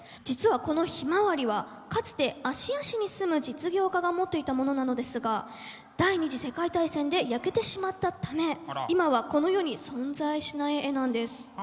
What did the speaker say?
実はこの「ヒマワリ」はかつて芦屋市に住む実業家が持っていたものなのですが第２次世界大戦で焼けてしまったため今はこの世に存在しない絵なんです。